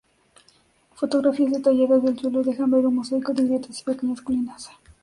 Fotografías detalladas del suelo dejan ver un mosaico de grietas y pequeñas colinas.